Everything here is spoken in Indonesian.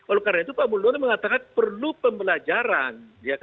oleh karena itu pak muldono mengatakan perlu pembelajaran